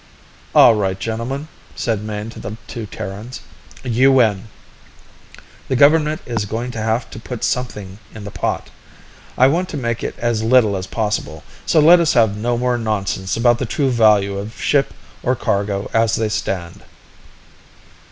"All right, gentlemen," said Mayne to the two Terrans. "You win. The government is going to have to put something in the pot. I want to make it as little as possible, so let us have no more nonsense about the true value of ship or cargo as they stand."